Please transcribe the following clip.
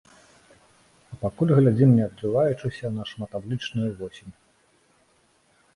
А пакуль глядзім не адрываючыся на шматаблічную восень.